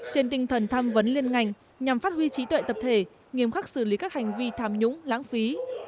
trên tinh thần tham vấn liên ngành nhằm phát huy trí tuệ tập thể nghiêm khắc xử lý các hành vi tham nhũng lãng phí